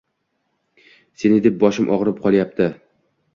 “Seni deb boshim og‘rib qolayapti”